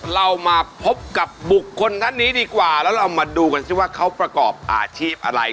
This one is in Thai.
เรามาพบกับบุคคลท่านนี้ดีกว่าแล้วเรามาดูกันสิว่าเขาประกอบอาชีพอะไร